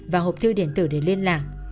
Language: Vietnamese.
và hộp thư điện tử để liên lạc